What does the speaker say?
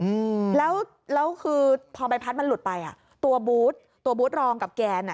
อืมแล้วแล้วคือพอใบพัดมันหลุดไปอ่ะตัวบูธตัวบูธรองกับแกนอ่ะ